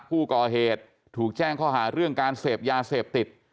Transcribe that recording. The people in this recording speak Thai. ผู้ก่อเหตุถูกแจ้งข้อหาเรื่องการเสพยาเสพติด